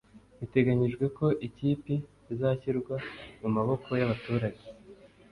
Biteganyijwe ko ikipi izashyirwa mu maboko y’abaturage